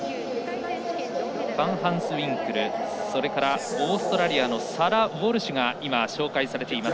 ファンハンスウィンクルそしてオーストラリアのサラ・ウォルシュが紹介されています。